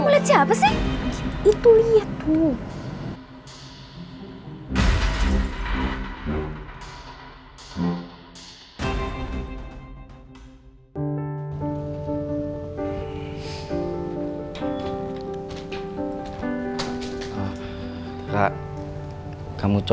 pelit banget sih jadi orang kaya